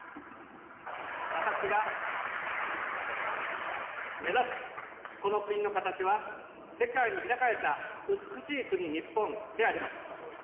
私が目指すこの国のかたちは、世界に開かれた美しい国日本であります。